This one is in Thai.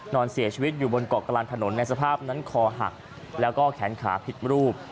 นอนเสียชีวิตอยู่บนเกาะกลางถนนในสภาพนั้นคอหักแล้วก็แขนขาผิดรูป